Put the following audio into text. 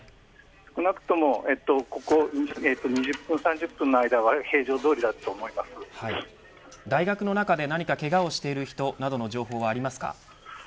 少なくとも２０分３０分の間は大学の中でけがをしているなどの情報はありますか。